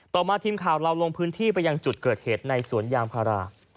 ต่อมาทีมข่าวเราลงพื้นที่ไปยังจุดเกิดเหตุในสวนยางพารา